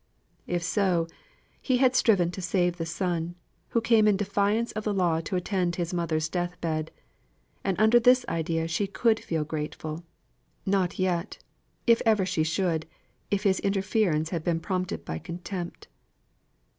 If so, he had striven to save the son, who came in defiance of the law to attend his mother's death bed. And under this idea she could feel grateful not yet, if ever she should, if his interference had been prompted by contempt.